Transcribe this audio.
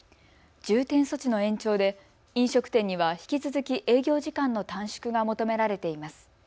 重点措置の延長で飲食店には引き続き営業時間の短縮が求められています。